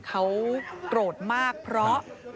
เขาโกรธมากเพราะ